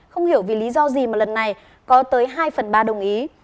không hiểu vì lý do gì mà lần này có tới hai phần ba đồng ý